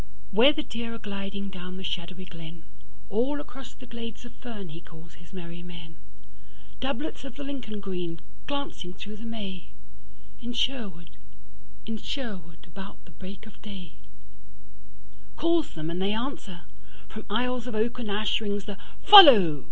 Where the deer are gliding down the shadowy glenAll across the glades of fern he calls his merry men; Doublets of the Lincoln green glancing through the May, In Sherwood, in Sherwood, about the break of day; Calls them and they answer: from aisles of oak and ashRings the Follow!